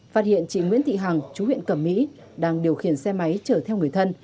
phát hiện chị nguyễn thị hằng chú huyện cẩm mỹ đang điều khiển xe máy chở theo người thân